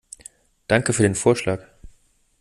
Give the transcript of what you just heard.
Danke für den Vorschlag.